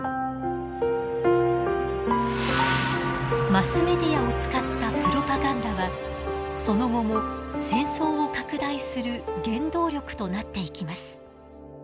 マスメディアを使ったプロパガンダはその後も戦争を拡大する原動力となっていきます。